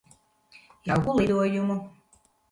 Jauku lidojumu.